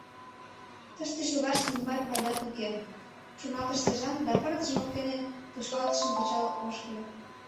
«Тыште шогылташ нимогай пайдат уке», — шоналтыш сержант да пырдыж воктене тошкалтышым кычал ошкыльо.